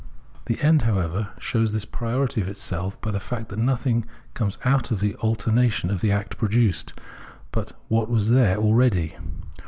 The end, however, shows this priority of itself by the fact that nothing comes out of the altera tion the act produced, but what was there already.